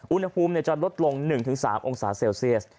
อุณหภูมิจะลดลง๑๓องศาเซลเซียส